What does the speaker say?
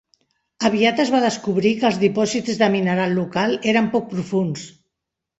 Aviat es va descobrir que els dipòsits de mineral local eren poc profunds.